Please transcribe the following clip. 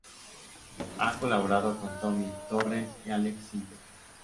Han colaborado con Tommy Torres y Aleks Syntek.